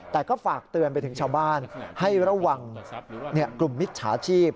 แต่ก็ฝากเตือนไปถึงชาวบ้านให้ระวังกลุ่มมิจฉาชีพ